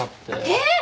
えっ！？